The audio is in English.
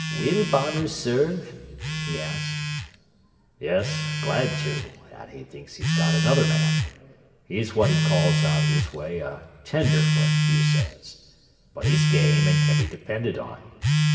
"Will Bonner serve?" he asked. "Yes, glad to, and he thinks he's got another man. He's what he calls out his way a 'tenderfoot,' he says, but he's game and can be depended on.